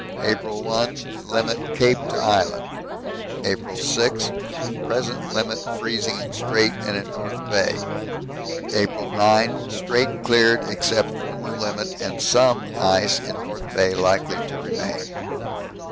April 1. Limit Cape to Island. April 6. Present limit freezing in Strait and in North Bay. April 9. Strait cleared except former limit and some ice in North Bay likely to remain.